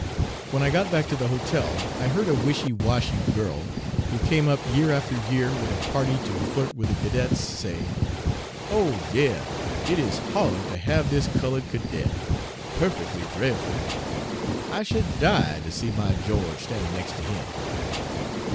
"When I got back to the hotel I heard a wishy washy girl, who came up year after year with a party to flirt with the cadets say: "'O dear! it is hawid to have this colod cadet perfectly dre'fful. I should die to see my George standing next to him.'